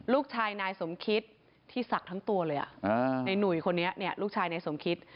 ลูกชายนายสมคิตที่ศักดิ์ทั้งตัวเลยในหนุ่ยคนนี้เนี่ยลูกชายในสมคิด